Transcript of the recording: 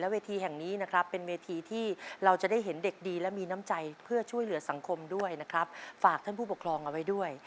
เวทีแห่งนี้นะครับเป็นเวทีที่เราจะได้เห็นเด็กดีและมีน้ำใจเพื่อช่วยเหลือสังคมด้วยนะครับฝากท่านผู้ปกครองเอาไว้ด้วย